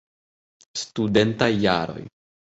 Studentaj jaroj.